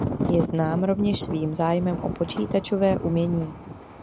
Je znám rovněž svým zájmem o počítačové umění.